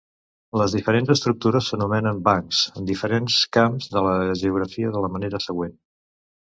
Les diferents estructures s'anomenen "bancs" en diferents camps de la geografia, de la manera següent: